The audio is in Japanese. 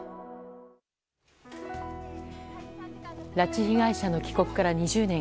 拉致被害者の帰国から２０年。